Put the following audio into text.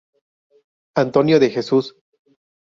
Antonio de Jesús